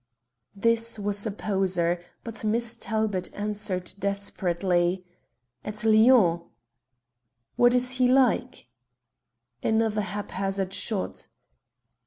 This was a poser, but Miss Talbot answered desperately: "At Lyon." "What is he like?" Another haphazard shot.